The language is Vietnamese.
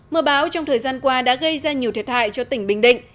mưa báo trong thời gian qua đã gây ra nhiều thiệt hại cho tỉnh bình định